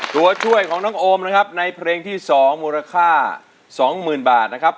ตัวช่วยของน้องโอมนะครับในเพลงที่๒มูลค่า๒๐๐๐บาทนะครับ